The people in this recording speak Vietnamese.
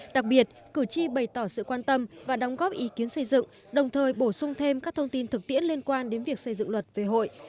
đặc biệt cử tri bày tỏ sự quan tâm và đóng góp ý kiến xây dựng đồng thời bổ sung thêm các thông tin thực tiễn liên quan đến việc xây dựng luật về hội